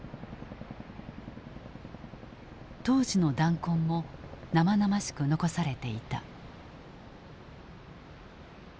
当時の弾痕も生々しく残されていた。